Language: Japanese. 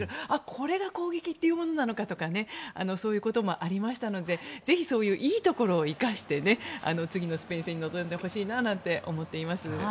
これが攻撃というものなのかとそういうこともありましたのでぜひ、そういういいところを生かして次のスペイン戦に臨んでほしいと思っています。